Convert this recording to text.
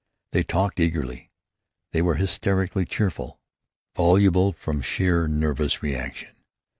They talked eagerly. They were hysterically cheerful; voluble from sheer nervous reaction.